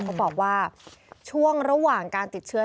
เขาบอกว่าช่วงระหว่างการติดเชื้อ